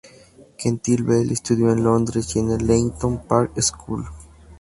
Quentin Bell estudió en Londres y en el Leighton Park School.